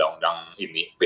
dengan undang undang ite